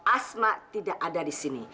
asma tidak ada disini